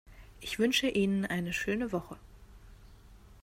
Ich wünsche Ihnen eine schöne Woche.